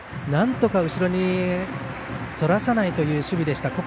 なんとか後ろにそらさないという守備でした。